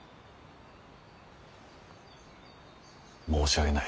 申し訳ない。